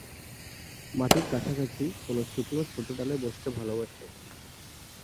মাটির কাছাকাছি কোন শুকনো ছোট ডালে বসতে ভালোবাসে।